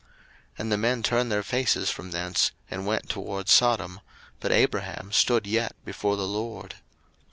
01:018:022 And the men turned their faces from thence, and went toward Sodom: but Abraham stood yet before the LORD.